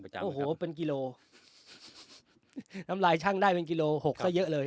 โอ้โหเป็นกิโลน้ำลายชั่งได้เป็นกิโลหกซะเยอะเลย